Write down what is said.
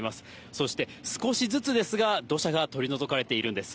そして少しずつですが、土砂が取り除かれているんです。